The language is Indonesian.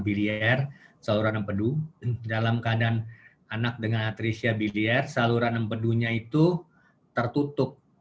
bb r saluran empedu dalam keadaan anak dengan atresia bb r saluran empedu nya itu tertutup